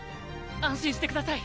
安心して下さい。